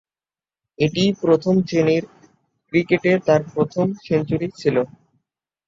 এটিই প্রথম-শ্রেণীর ক্রিকেটে তার প্রথম সেঞ্চুরি ছিল।